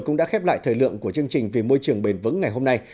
cũng đã khép lại thời lượng của chương trình vì môi trường bền vững ngày hôm nay